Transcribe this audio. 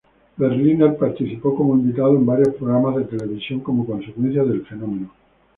Berliner participó como invitado en varios programas de televisión como consecuencia del fenómeno.